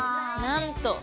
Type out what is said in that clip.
なんと！